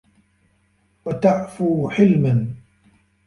وَتَعْفُو حِلْمًا